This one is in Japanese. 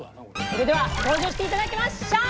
それでは登場していただきましょう！